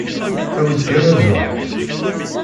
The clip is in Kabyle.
Awi-d kan azuḥ.